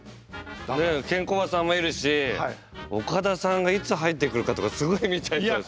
ねえケンコバさんもいるし岡田さんがいつ入ってくるかとかすごい見ちゃいそうですね。